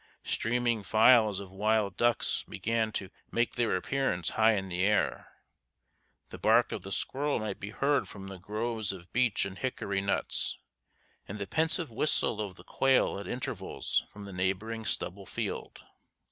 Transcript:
Streaming files of wild ducks began to make their appearance high in the air; the bark of the squirrel might be heard from the groves of beech and hickory nuts, and the pensive whistle of the quail at intervals from the neighboring stubble field.